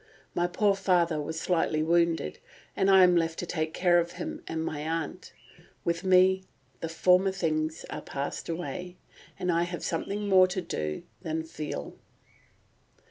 My poor father was slightly wounded, and I am left to take care of him and of my aunt.... With me 'the former things are passed away,' and I have something more to do than to feel."